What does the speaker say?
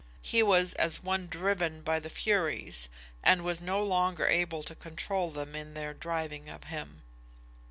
He was as one driven by the Furies, and was no longer able to control them in their driving of him.